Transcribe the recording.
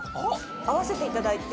合わせていただいて。